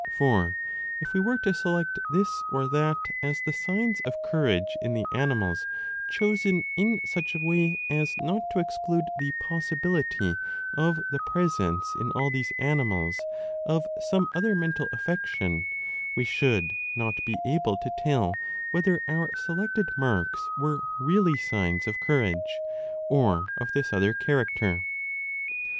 For if we were to select this or that as the signs of courage 8o6 a in the animals chosen in such a way as not to exclude the possibility of the presence in all these animals of some other mental affection, 3 we should not be able to tell whether our selected marks were really signs of courage or of this other character.